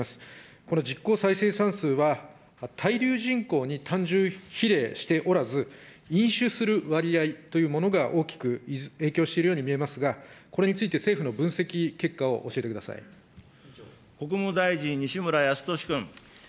この実効再生産数は、滞留人口に単純比例しておらず、飲酒する割合というものが大きく影響しているように見えますが、これについて、政府の分析結果を教えてくだ国務大臣、西村康稔君。